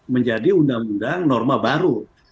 menjadi undang undang norma baru